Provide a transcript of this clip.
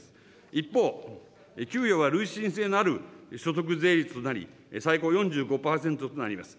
一方、給与は累進性のある所得税率となり、最高４５％となります。